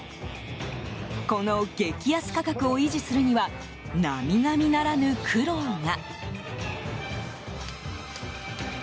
この激安価格を維持するには並々ならぬ苦労が。